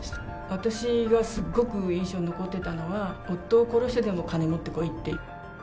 私がすごく印象に残ってたのは、夫を殺してでも金を持ってこいって。